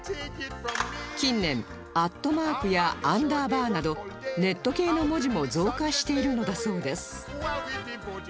近年アットマークやアンダーバーなどネット系の文字も増加しているのだそうです